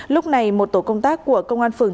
lúc này một tổ công tác của công an phường